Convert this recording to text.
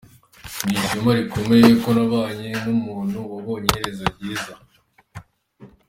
Ni ishema rikomeye ko nabanye n’umuntu wabonye iherezo ryiza.